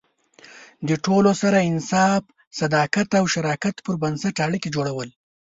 د ټولو سره د انصاف، صداقت او شراکت پر بنسټ اړیکې جوړول.